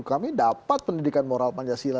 kami dapat pendidikan moral pancasila